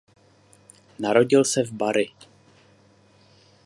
Narodil se v Bari.